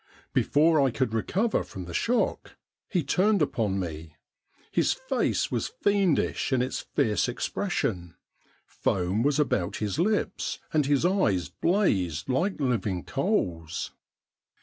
Before I could recover from the shock he turned upon me. His face was fiendish in its fierce expression ; foam was about his lips, and his eyes blazed like living coals.